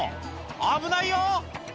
危ないよ！